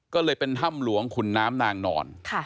ก็เลยเป็นถ้ำหลวงขุนน้ำนางนอน